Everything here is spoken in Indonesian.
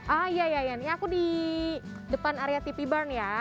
ah iya iya aku di depan area tv barn ya